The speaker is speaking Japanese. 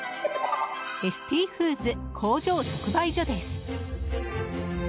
エスティフーズ工場直売所です。